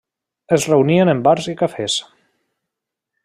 Es reunien en bars i cafès.